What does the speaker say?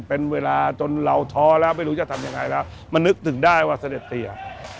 เป็นเวลาจนเราท้อแล้วไม่รู้จะทำยังไงแล้วมันนึกถึงได้ว่าเสด็จเตีย